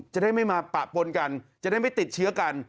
จะได้ไม่มาปะปนกันจะได้ไม่ติดเชื้อกัน